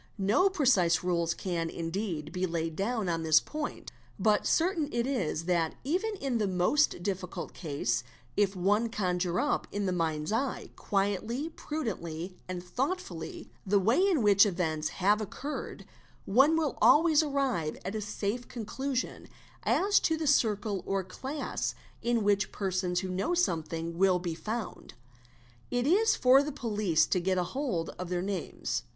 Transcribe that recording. No precise rules can, indeed, be laid down on this point; but certain it is that even in the most eon case, if one conjure up in the mind's eye, quietly, prudently, and thoughtfully, the way in which events have occurred, one will always arrive at a safe conclusion as to the circle or class in which persons who 'I snow something will be found; it is for the police to get a hold of their ' names.